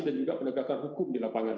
dan juga penegakan hukum di lapangan